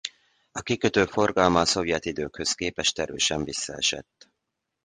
A kikötő forgalma a szovjet időkhöz képest erősen visszaesett.